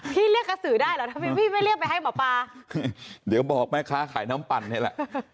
เรียกกระสือได้เหรอทำไมพี่ไม่เรียกไปให้หมอปลาเดี๋ยวบอกแม่ค้าขายน้ำปั่นนี่แหละ